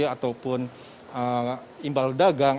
ataupun imbal dagang